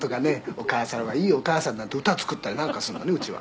“お母さんはいいお母さん”なんて歌作ったりなんかするのねうちは」